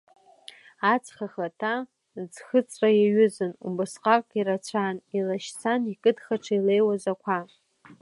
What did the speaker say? Аҵх ахаҭа ӡхыҵрак иаҩызан убасҟак ирацәан, илашьцан икыдхаҽа илеиуаз ақәа.